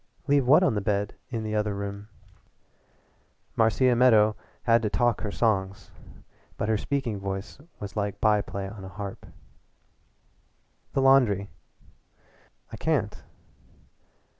"Leave what on the bed in the other room?" Marcia Meadow had to talk her songs, but her speaking voice was like byplay on a harp. "The laundry." "I can't."